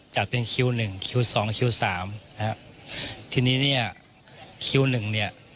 จัดเป็นคิวหนึ่งคิวสองคิวสามนะฮะทีนี้เนี่ยคิวหนึ่งเนี่ย